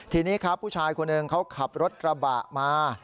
ทีนี้ครับผู้ชายคนหนึ่งเขาขับรถกระบะมา